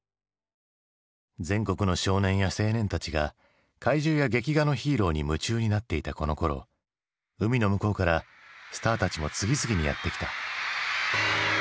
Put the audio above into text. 全国の少年や青年たちが怪獣や劇画のヒーローに夢中になっていたこのころ海の向こうからスターたちも次々にやって来た。